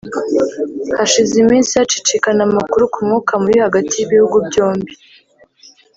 Hashize iminsi hacicikana amakuru ku mwuka mubi hagati y’ibihugu byombi